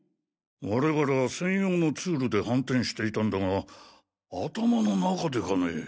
我々は専用のツールで反転していたんだが頭の中でかね。